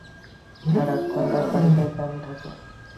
সারাক্ষণ তার বাড়িতে কেন থাকো?